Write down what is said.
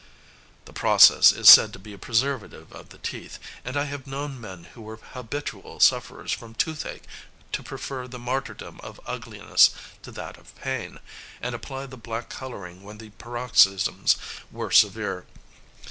The process is said to be a preservative of the teeth, and I have known men who were habitual sufferers from toothache to prefer the martyrdom of ugliness to that of pain, and apply the black colouring when the paroxysms were severe.